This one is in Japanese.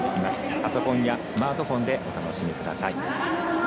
パソコンやスマートフォンでお楽しみください。